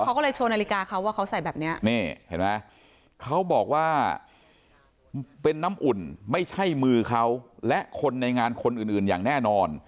เขาก็เลยโชว์นาฬิกาเขาว่าเขาใส่แบบนี้นี่เห็นไหมเขาบอกว่าเป็นน้ำอุ่นไม่ใช่มือเขาและคนในงานคนอื่นอย่างแน่นอน